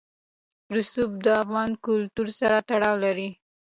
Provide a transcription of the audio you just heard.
رسوب د افغان کلتور سره تړاو لري.